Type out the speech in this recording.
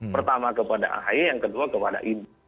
pertama kepada ahy yang kedua kepada ibu